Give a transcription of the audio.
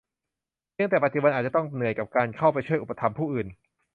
เพียงแต่ปัจจุบันอาจจะต้องเหนื่อยกับการเข้าไปช่วยอุปถัมภ์ผู้อื่น